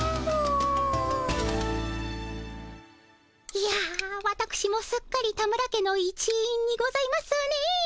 いやわたくしもすっかり田村家の一員にございますね。